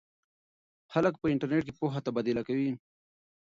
خلک په انټرنیټ کې پوهه تبادله کوي.